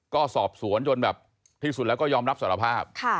ก็สอบสวนจนแบบที่สุดแล้วก็ยอมรับสารภาพ